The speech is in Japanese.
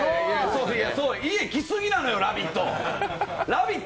家、来すぎなのよ、「ラヴィット！」。